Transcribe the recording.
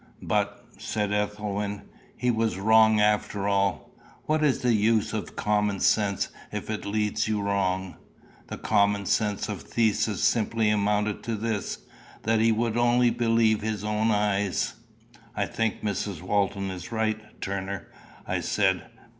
"But," said Ethelwyn, "he was wrong after all. What is the use of common sense if it leads you wrong? The common sense of Theseus simply amounted to this, that he would only believe his own eyes." "I think Mrs. Walton is right, Turner," I said.